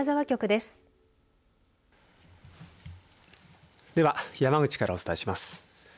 では、山口からお伝えします。